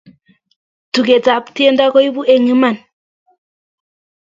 tuket ap tiendo koibu eng iman